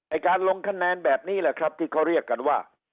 การลงคะแนนแบบนี้แหละครับที่เขาเรียกกันว่า